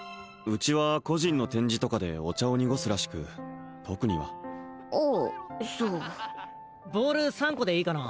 うちは個人の展示とかでお茶を濁すらしく特にはあっそうボール３個でいいかな？